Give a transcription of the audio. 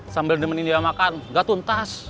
sambil nemenin dia makan gak tuntas